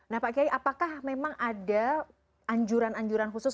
nah pak kiai apakah memang ada anjuran anjuran khusus